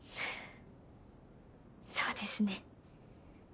そうですね。